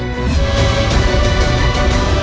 มค